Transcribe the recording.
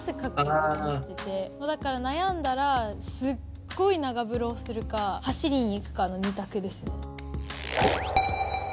だから悩んだらすっごい長風呂をするか走りに行くかの２択ですね。